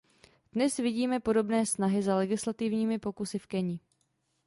Dnes vidíme podobné snahy za legislativními pokusy v Keni.